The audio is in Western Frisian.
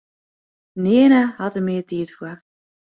Nearne hat er mear tiid foar.